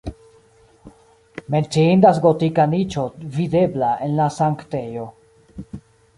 Menciindas gotika niĉo videbla en la sanktejo.